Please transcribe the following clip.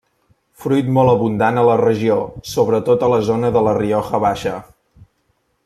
Fruit molt abundant a la regió sobretot a la zona de la Rioja Baixa.